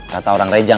kata orang rejang